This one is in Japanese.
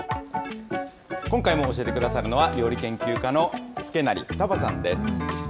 今回も教えてくださるのは、料理研究家の祐成二葉さんです。